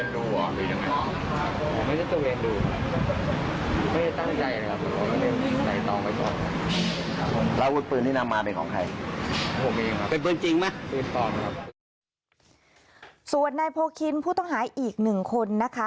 ของเองหรอเป็นเพื่อนจริงไหมเป็นต่อครับส่วนนายโพฆินผู้ต้องหายอีกหนึ่งคนนะคะ